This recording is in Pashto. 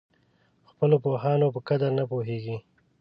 خپلو پوهانو په قدر نه پوهېږي.